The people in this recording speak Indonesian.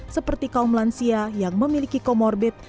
seperti kaum lansia yang memiliki comorbid